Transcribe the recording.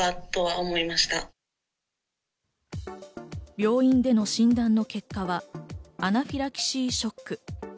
病院での診断の結果はアナフィラキシーショック。